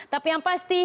tapi yang pasti